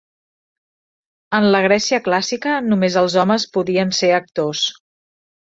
En la Grècia clàssica, només els homes podien ser actors.